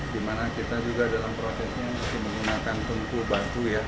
di mana kita juga dalam prosesnya menggunakan tungku batu